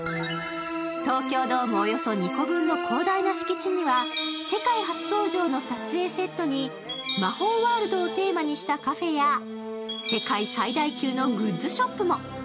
東京ドームおよそ２個分の広大な敷地には世界初登場の撮影セットに魔法ワールドをテーマにしたカフェや世界最大級のグッズショップも。